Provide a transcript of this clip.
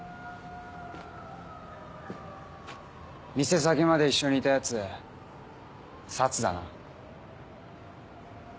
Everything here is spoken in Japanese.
店先まで一緒にいたやつサツだな？